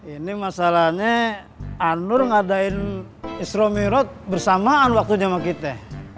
ini masalahnya anur ngadain isromirod bersamaan waktunya sama kita